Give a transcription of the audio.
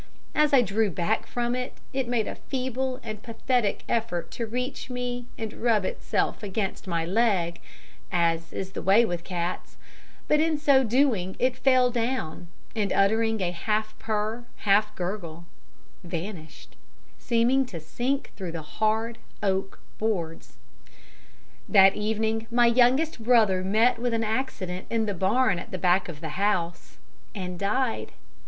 As I drew back from it, it made a feeble and pathetic effort to reach me and rub itself against my legs, as is the way with cats, but in so doing it fell down, and uttering a half purr, half gurgle, vanished seeming to sink through the hard oak boards. "That evening my youngest brother met with an accident in the barn at the back of the house, and died.